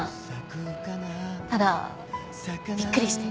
ただびっくりして。